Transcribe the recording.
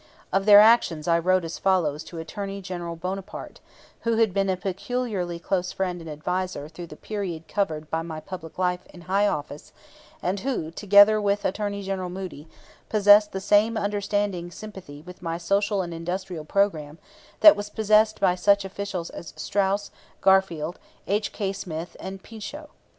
Of their actions I wrote as follows to Attorney General Bonaparte, who had been a peculiarly close friend and adviser through the period covered by my public life in high office and who, together with Attorney General Moody, possessed the same understanding sympathy with my social and industrial program that was possessed by such officials as Straus, Garfield, H. K. Smith, and Pinchot.